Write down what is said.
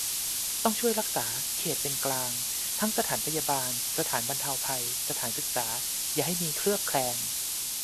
ต้องช่วยรักษา 'เขตเป็นกลาง' ทั้งสถานพยาบาล สถานบรรเทาภัย สถานศึกษา อย่าให้มีเคลือบแคลง